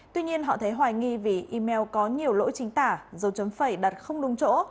tuy nhiên họ thấy hoài nghi vì email có nhiều lỗi chính tả dấu chấm phải đặt không đúng chỗ